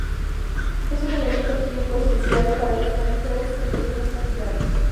Es un elemento químico esencial para los mamíferos en pequeñas cantidades.